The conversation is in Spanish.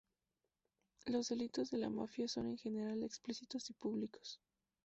Los delitos de la mafia son en general explícitos y públicos.